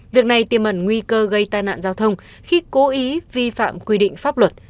việc này tiêm ẩn nguy cơ gây tai nạn giao thông khi cố ý vi phạm quy định pháp luật